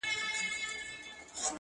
ته مجرم یې ګناکاره یې هر چاته،